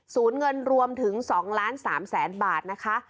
สูญเงินรวมถึงสองล้านสามแสนบาทนะคะ